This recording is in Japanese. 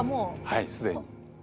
はい既に。